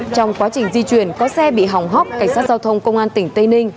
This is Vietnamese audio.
trong quá trình di chuyển có xe bị hỏng hóc cảnh sát giao thông công an tỉnh tây ninh